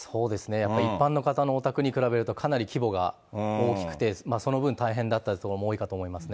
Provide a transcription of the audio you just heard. やっぱり一般の方のお宅に比べると、かなり規模が大きくて、その分、大変だったことが多いかと思いますね。